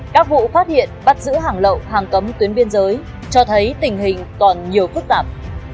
các vụ phát hiện bắt giữ hàng lậu hàng cấm tuyến biên giới cho thấy tình hình còn nhiều phức tạp